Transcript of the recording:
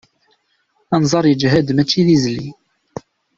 Anẓar yeǧhed mačči d izli.